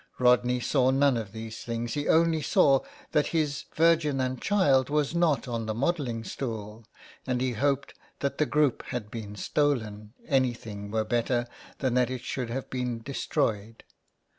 Rodney saw none of these things, he only saw that his Virgin and Child was not on the modelling stool, and he hoped that the group had been stolen, anything were better than that it should have been destroyed.